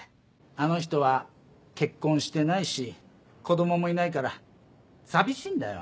あの人は結婚してないし子供もいないから寂しいんだよ。